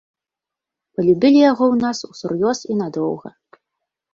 Палюбілі яго ў нас усур'ёз і надоўга.